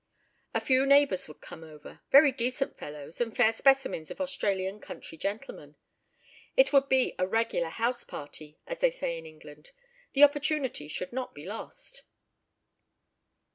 A few neighbours would come over—very decent fellows, and fair specimens of Australian country gentlemen. It would be a regular "house party," as they say in England. The opportunity should not be lost.